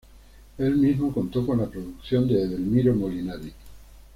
El mismo contó con la producción de Edelmiro Molinari.